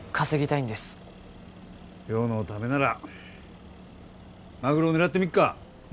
亮のためならマグロ狙ってみっか？